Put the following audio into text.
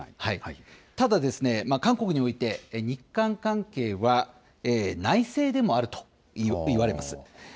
ただ、韓国において日韓関係は内政でもあるとよくいわれます。